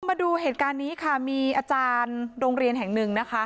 มาดูเหตุการณ์นี้ค่ะมีอาจารย์โรงเรียนแห่งหนึ่งนะคะ